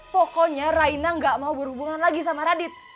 pokoknya raina gak mau berhubungan lagi sama radit